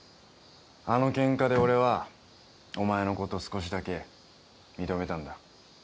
あのケンカで俺はお前のこと少しだけ認めたんだ。